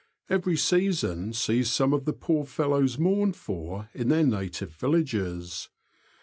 Every season sees some of the poor fellows mourned for in their native villages.